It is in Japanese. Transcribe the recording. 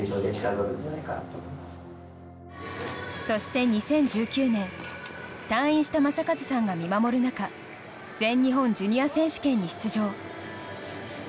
そして２０１９年退院した正和さんが見守る中全日本ジュニア選手権に出場。